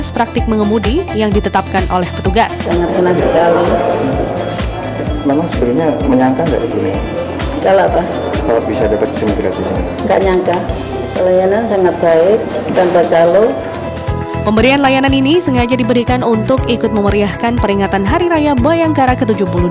terima kasih layanan ini sengaja diberikan untuk ikut memeriahkan peringatan hari raya bayangkara ke tujuh puluh dua